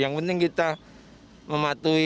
yang penting kita mematuhi